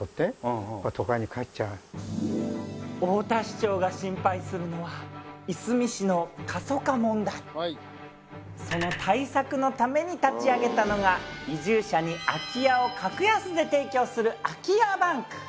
太田市長が心配するのはその対策のために立ち上げたのが移住者に空き家を格安で提供する空き家バンク。